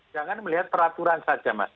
jangan melihat peraturan saja mas